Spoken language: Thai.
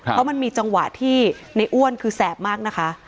เพราะมันมีจังหวะที่ในอ้วนคือแสบมากนะคะ